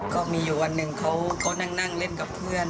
ก็มีอยู่วันหนึ่งเขานั่งเล่นกับเพื่อน